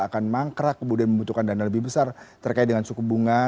akan mangkrak kemudian membutuhkan dana lebih besar terkait dengan suku bunga